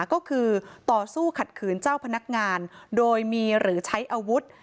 ก็คือต่อสู้ขัดขืนเจ้าพนักงานโดยมีหรือใช้อาวุธ